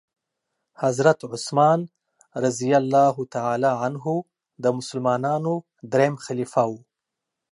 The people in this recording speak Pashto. حضرت عثمان رضي الله تعالی عنه د مسلمانانو دريم خليفه وو.